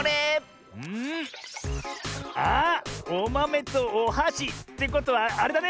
おまめとおはし。ってことはあれだね。